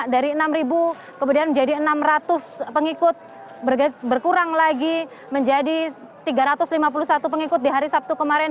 dari enam kemudian menjadi enam ratus pengikut berkurang lagi menjadi tiga ratus lima puluh satu pengikut di hari sabtu kemarin